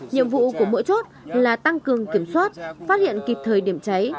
nhiệm vụ của mỗi chốt là tăng cường kiểm soát phát hiện kịp thời điểm cháy